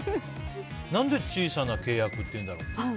何で小さな契約っていうんだろう？